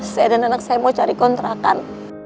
saya dan anak saya mau cari kontrakan